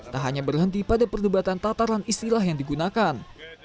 tak hanya berhenti pada perdebatan tataran istilah yang digunakan